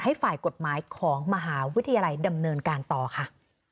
ให้ฝ่ายกฎหมายของมหาวิทยาลัยดำเนินการต่อค่ะ